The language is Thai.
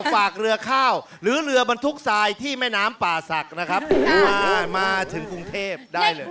ฝากเรือข้าวหรือเรือบรรทุกทรายที่แม่น้ำป่าศักดิ์นะครับมามาถึงกรุงเทพได้เลย